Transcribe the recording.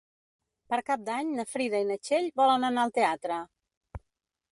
Per Cap d'Any na Frida i na Txell volen anar al teatre.